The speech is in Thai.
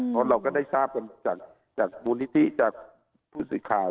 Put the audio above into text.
เพราะเราก็ได้ทราบกันจากมูลนิธิจากผู้สื่อข่าว